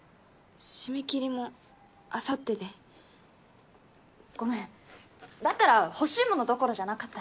締め切りもあさってでごめんだったら欲しいものどころじゃなかったね